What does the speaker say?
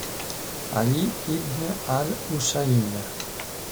Ali ibn al-Husayn